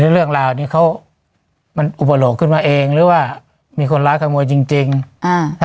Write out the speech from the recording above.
เรื่องราวนี้เขามันอุปโลกขึ้นมาเองหรือว่ามีคนร้ายขโมยจริงจริงอ่า